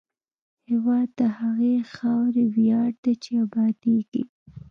هېواد د هغې خاورې ویاړ دی چې ابادېږي.